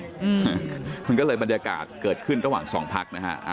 อืมมันก็เลยบรรยากาศเกิดขึ้นระหว่างสองพักนะฮะอ่า